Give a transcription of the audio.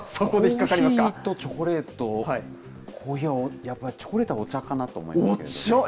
コーヒーとチョコレート、コーヒーはやっぱり、チョコレートはお茶かなと思いますが。